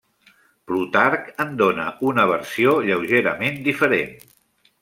Plutarc en dóna una versió lleugerament diferent.